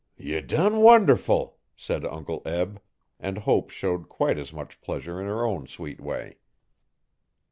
'Ye done wonderful!' said Uncle Eb and Hope showed quite as much pleasure in her own sweet way.